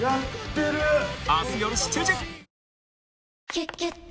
「キュキュット」